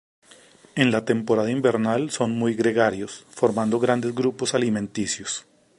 En la temporada invernal son muy gregarios, formando grandes grupos alimenticios.